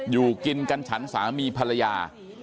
อยู่กินกันฉันสามีภรรยา